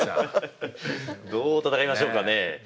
どう戦いましょうかね？